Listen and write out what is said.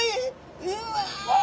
うわ！